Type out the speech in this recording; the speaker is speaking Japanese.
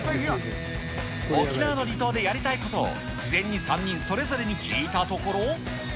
沖縄の離島でやりたいことを事前に３人それぞれに聞いたところ。